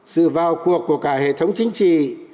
sự vào cuộc của cả hệ thống chính trị